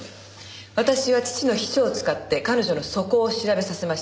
私は父の秘書を使って彼女の素行を調べさせました。